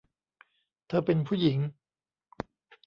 เธอเป็นผู้หญิง